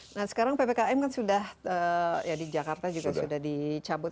nah sekarang ppkm kan sudah ya di jakarta juga sudah dicabut